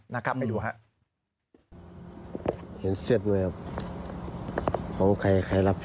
นะครับไปดูครับ